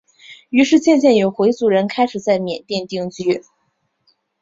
于是渐渐有回族人开始在缅甸定居。